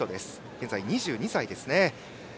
現在、２２歳ですね。